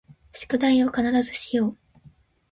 宿題を必ずしよう